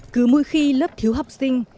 cứ mỗi khi lớp thiếu học sinh